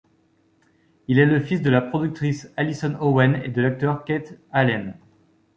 Il est le fils de la productrice Alison Owen et de l’acteur Keith Allen.